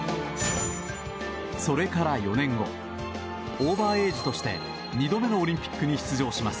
それから４年後オーバーエージとして２度目のオリンピックに出場します。